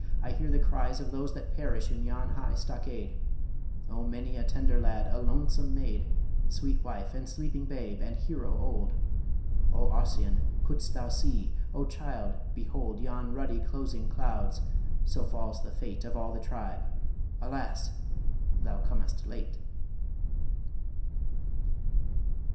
I hear the cries Of those that perish in yon high stockade O many a tender lad, and lonesome maid, Sweet wife and sleeping babe, and hero old O Ossian could'st thou see O child, behold Yon ruddy, closing clouds ... so falls the fate Of all the tribe ... Alas! thou comest late."